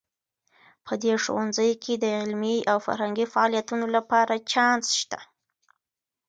په دې ښوونځي کې د علمي او فرهنګي فعالیتونو لپاره چانس شته